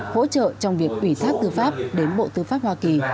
hỗ trợ trong việc ủy thác tư pháp đến bộ tư pháp hoa kỳ